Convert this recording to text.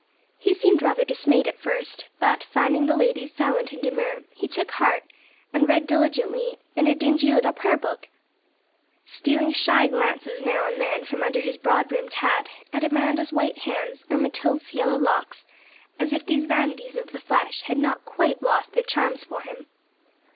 He seemed rather dismayed at first; but, finding the ladies silent and demure, he took heart, and read diligently in a dingy little prayer book, stealing shy glances now and then from under his broad brimmed hat at Amanda's white hands, or Matilda's yellow locks, as if these vanities of the flesh had not quite lost their charms for him.